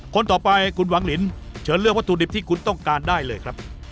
คนต่อไปคุณหวังลินเชิญเลือกวัตถุดิบที่คุณต้องการได้เลยครับ